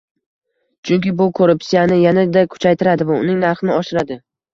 Chunki bu korruptsiyani yanada kuchaytiradi va uning narxini oshiradi